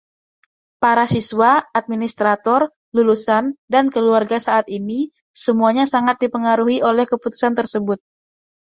Para siswa, administrator, lulusan dan keluarga saat ini, semuanya sangat dipengaruhi oleh keputusan tersebut.